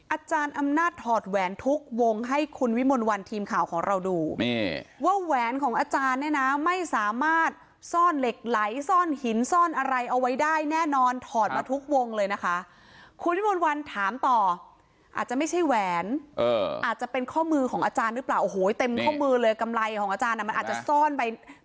อาจารย์อำนาจถอดแหวนทุกวงให้คุณวิมลวันทีมข่าวของเราดูนี่ว่าแหวนของอาจารย์เนี่ยนะไม่สามารถซ่อนเหล็กไหลซ่อนหินซ่อนอะไรเอาไว้ได้แน่นอนถอดมาทุกวงเลยนะคะคุณวิมนต์วันถามต่ออาจจะไม่ใช่แหวนอาจจะเป็นข้อมือของอาจารย์หรือเปล่าโอ้โหเต็มข้อมือเลยกำไรของอาจารย์อ่ะมันอาจจะซ่อนไป